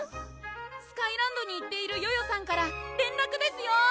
・スカイランドに行っているヨヨさんから連絡ですよ！